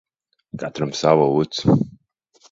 Katram sava uts.